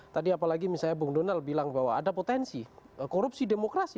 tadi apalagi misalnya bung donald bilang bahwa ada potensi korupsi demokrasi